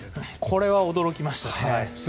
これは驚きましたね。